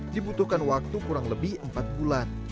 dibutuhkan waktu kurang lebih empat bulan